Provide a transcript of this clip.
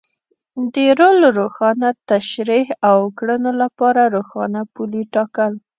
د رول روښانه تشرېح او کړنو لپاره روښانه پولې ټاکل.